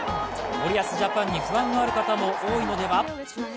森保ジャパンに不安がある方も多いのでは？